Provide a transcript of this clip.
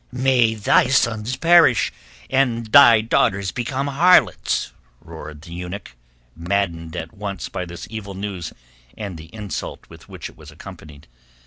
"May thy sons perish and thy daughters become harlots," roared the eunuch, maddened at once by this evil news and the insult with which it was accompanied.